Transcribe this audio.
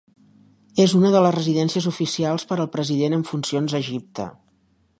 És una de les residències oficials per al president en funcions a Egipte.